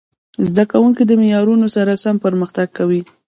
زده کوونکي د معیارونو سره سم پرمختګ کاوه.